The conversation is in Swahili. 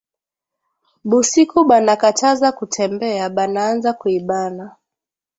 Busiku bana kataza kutembea banaanza kuibana